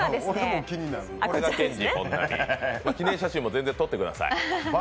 記念写真も撮ってください。